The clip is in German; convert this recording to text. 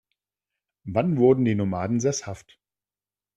Wann wurden die Nomaden sesshaft?